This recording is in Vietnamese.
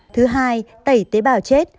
thứ hai tẩy tế bào chết